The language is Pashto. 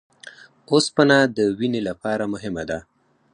اوسپنه د وینې لپاره مهمه ده